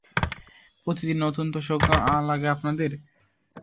প্রতিদিন নতুন তোষক লাগে আপনাদের!